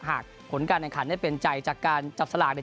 หากผลการแข่งขันได้เป็นใจจากการจับสลากเนี่ย